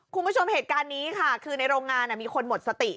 คุณผู้ชมเหตุการณ์นี้ค่ะคือในโรงงานมีคนหมดสติ